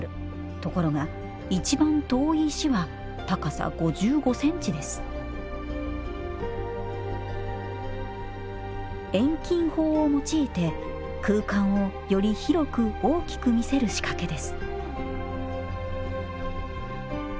ところが一番遠い石は高さ５５センチです遠近法を用いて空間をより広く大きく見せる仕掛けです